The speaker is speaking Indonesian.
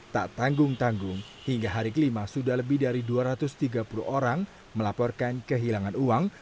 tak tanggung tanggung hingga hari kelima sudah lebih dari dua ratus tiga puluh orang melaporkan kehilangan uang